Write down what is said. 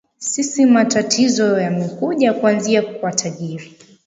sisi matatizo yamekuja kuanzia kwa tajiri